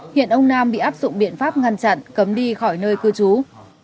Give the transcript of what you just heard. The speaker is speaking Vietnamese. hiện ông nam bị áp dụng biện pháp ngăn chặn cấm đi khỏi nơi cư trú